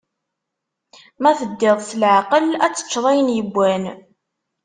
Ma teddiḍ s laɛqel, ad teččeḍ ayen yewwan.